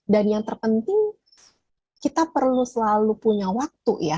dan yang terpenting kita perlu selalu punya waktu ya